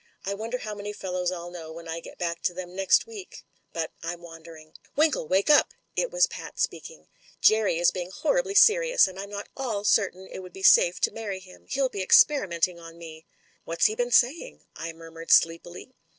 I wonder how many fellows I'll know when I get back to them next week ? But I'm wandering. "Winkle, wake up !" It was Pat speaking. "Jerry is being horribly serious, and I'm not at all certain it will be safe to marry him; he'll be experimenting on me." ti What's he been saying ?" I murmured sleepily.